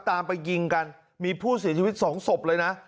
ตามไปยิงกันมีผู้เสียชีวิตสองศพเลยนะ